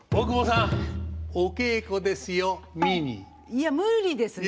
いや無理ですね。